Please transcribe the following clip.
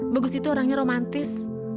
bagus itu orangnya romantis